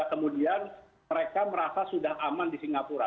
kemudian mereka merasa sudah aman di singapura